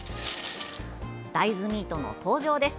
大豆ミートの登場です。